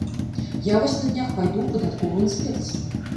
Я вось на днях пайду ў падатковую інспекцыю.